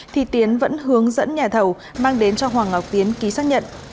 thì tiến vẫn hướng dẫn nhà thầu mang đến cho hoàng ngọc tiến ký xác nhận